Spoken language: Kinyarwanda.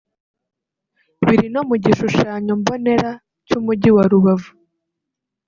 biri no mu gishushanyombonera cy’umujyi wa Rubavu